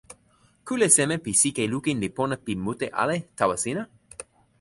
kule seme pi sike lukin li pona pi mute ale tawa sina?